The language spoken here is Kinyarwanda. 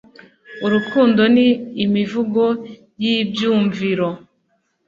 urukundo ni imivugo y'ibyumviro